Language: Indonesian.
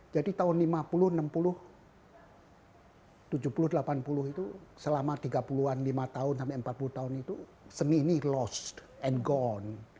jadi tahun lima puluh enam puluh tujuh puluh delapan puluh itu selama tiga puluh an lima tahun sampai empat puluh tahun itu seni ini hilang dan hilang